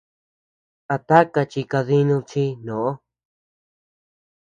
¿A taka chikadinud chi a ndo?